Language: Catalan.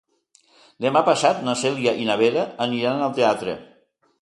Demà passat na Cèlia i na Vera aniran al teatre.